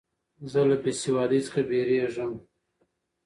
زه له بېسوادۍ څخه بېریږم.